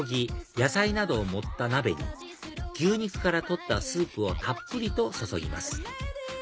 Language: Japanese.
野菜などを盛った鍋に牛肉から取ったスープをたっぷりと注ぎます